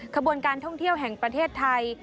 ขบวนการท่องเที่ยวแห่งประเทศไทย